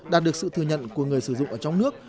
đạt được sự thừa nhận của người sử dụng ở trong nước